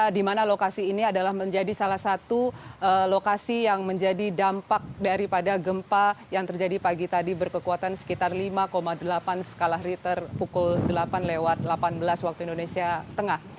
di mana lokasi ini adalah menjadi salah satu lokasi yang menjadi dampak daripada gempa yang terjadi pagi tadi berkekuatan sekitar lima delapan skala riter pukul delapan lewat delapan belas waktu indonesia tengah